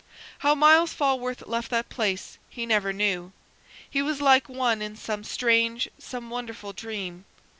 How Myles Falworth left that place he never knew. He was like one in some strange, some wonderful dream.